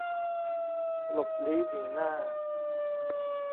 หลบลี้หนีหน้า